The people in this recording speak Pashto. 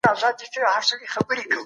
ټولو حاضرینو ته مېلمستیا ورکړل شوه.